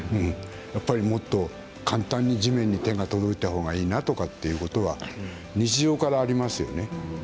やっぱりもっと簡単に地面に手が届いたほうがいいなということは日常からありますよね。